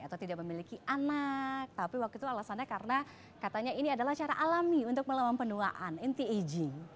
atau tidak memiliki anak tapi waktu itu alasannya karena katanya ini adalah cara alami untuk melawan penuaan inti aging